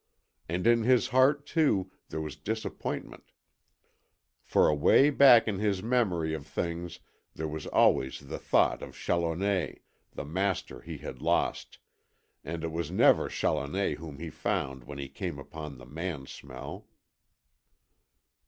And in his heart, too, there was disappointment, for away back in his memory of things there was always the thought of Challoner the master he had lost; and it was never Challoner whom he found when he came upon the man smell.